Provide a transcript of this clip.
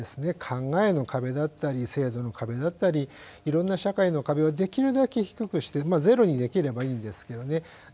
考えの壁だったり制度の壁だったりいろんな社会の壁をできるだけ低くしてまあゼロにできればいいんですけどね。